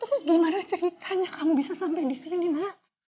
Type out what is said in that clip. terus gimana ceritanya kamu bisa sampai di sini mak